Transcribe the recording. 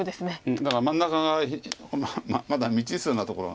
だから真ん中がまだ未知数なところが。